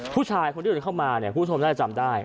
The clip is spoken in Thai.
ผู้ชายคนที่โดนเข้ามาคุณผู้ชมก็จะจำได้